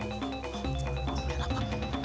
guru melihat apa